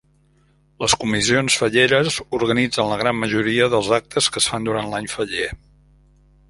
Les comissions falleres organitzen la gran majoria dels actes que es fan durant l'any faller.